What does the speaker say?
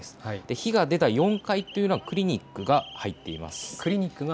火が出た４階というのはクリニックが入っています。